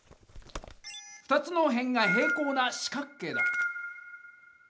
２つの辺が平行な四角形だ。